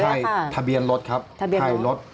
ผมถ่ายทะเบียนรถครับถ่ายรถ